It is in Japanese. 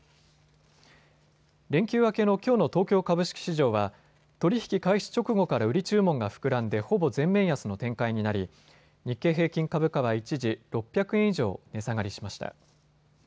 連休明けのきょうの東京株式市場は取り引き開始直後から売り注文が膨らんでほぼ全面安の展開になり日経平均株価は一時、６００円以上、値下がりしました。